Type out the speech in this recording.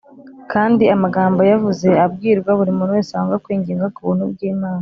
kandi amagambo yavuze abwirwa buri muntu wese wanga kwinginga k’ubuntu bw’imana